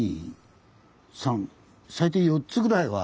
最低４つぐらいは。